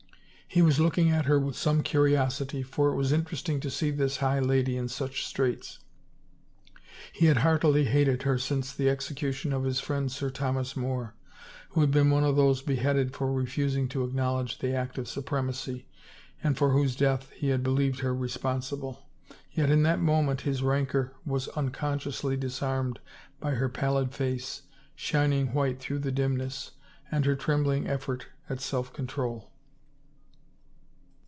He was looking at her with some curiosity for it was interesting to see this high lady in such straits. He had heartily hated her since the execution of his friend Sir Thomas More, who had been one of those beheaded for refusing to acknowledge the Act of Supremacy and for whose death he had be lieved her responsible, yet in that moment his rancor was unconsciously disarmed by her pallid face, shining white through the dimness, and her trembling effort at self con trol.